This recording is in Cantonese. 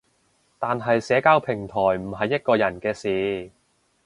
但係社交平台唔係一個人嘅事